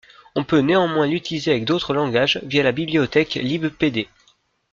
On peut néanmoins l'utiliser avec d'autres langages via la bibliothèque libpd.